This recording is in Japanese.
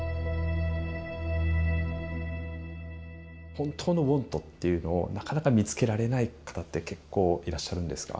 本当の「ｗａｎｔ」っていうのをなかなか見つけられない方って結構いらっしゃるんですか？